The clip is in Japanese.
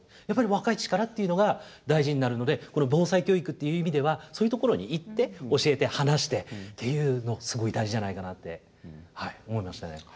やっぱり若い力っていうのが大事になるのでこの防災教育っていう意味ではそういうところに行って教えて話してっていうのすごい大事じゃないかなって思いましたね。